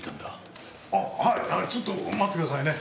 あっはいちょっと待ってくださいね。